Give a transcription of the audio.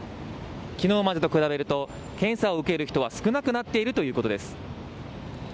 きのうまでと比べると、検査を受ける人は少なくなっているということです。